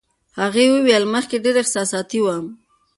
هغې وویل، مخکې ډېره احساساتي وم.